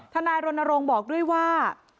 ทนายรณรงค์บอกด้วยว่า